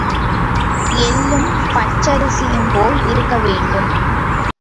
எள்ளும் பச்சரியும்போல் இருக்க வேண்டும்.